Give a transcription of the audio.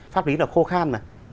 pháp lý là khô khan mà